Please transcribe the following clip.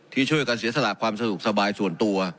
ที่ช่วยกันเสียสละความสะดวกสบายส่วนตัว